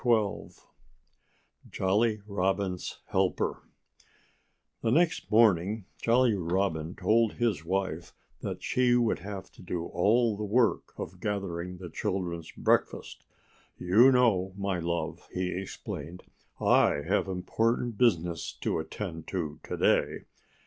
*XII* *JOLLY ROBIN'S HELPER* The next morning Jolly Robin told his wife that she would have to do all the work of gathering the children's breakfast. "You know, my love," he explained, "I have important business to attend to to day."